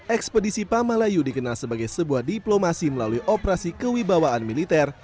ekspedisi pamalayu dikenal sebagai sebuah diplomasi melalui operasi kewibawaan militer